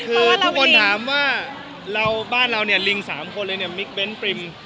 คือทุกคนถามว่าเราบ้านเราเนี่ยลิง๓คนเลยเนี่ยมิกเน้นปริม